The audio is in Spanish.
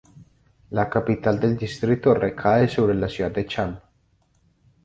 La capital del distrito recae sobre la ciudad de Cham.